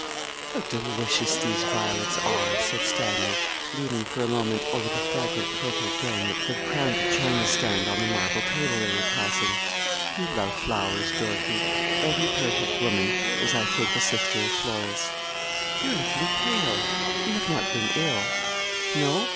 'How delicious these violets are!' said Stanley, leaning for a moment over the fragrant purple dome that crowned a china stand on the marble table they were passing. 'You love flowers, Dorkie. Every perfect woman is, I think, a sister of Flora's. You are looking pale you have not been ill? No!